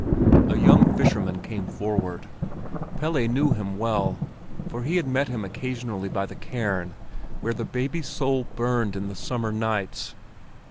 A young fisherman came forward. Pelle knew him well, for he had met him occasionally by the cairn where the baby's soul burned in the summer nights.